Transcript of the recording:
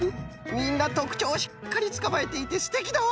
みんなとくちょうをしっかりつかまえていてすてきだわ！